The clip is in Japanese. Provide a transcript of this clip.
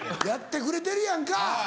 やってくれてるやんか。